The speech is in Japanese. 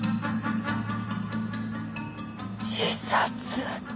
自殺。